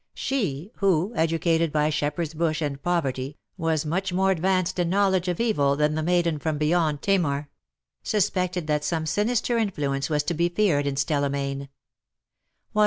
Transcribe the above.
She — who, educated by Shepherd's Bush and poverty, was much more advanced in knowledge of evil than the maiden from beyond Tamar — suspected that some sinister influence was to be feared in Stella Mayne.